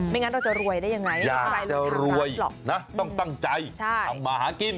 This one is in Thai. งั้นเราจะรวยได้ยังไงอยากจะรวยนะต้องตั้งใจทำมาหากิน